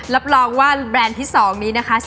รับรองว่าแบรนด์ที่๒นี้นะคะ